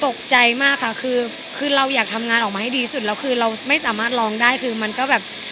ตกใจมากค่ะคือคือเราอยากทำงานออกมาให้ดีสุดแล้วคือเราไม่สามารถลองได้คือมันก็แบบ